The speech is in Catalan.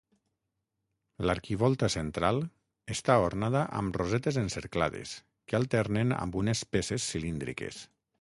L'arquivolta central està ornada amb rosetes encerclades que alternen amb unes peces cilíndriques.